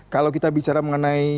kalau kita bicara mengenai